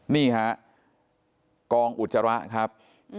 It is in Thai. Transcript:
นี่ฮะกองอุจจาระครับ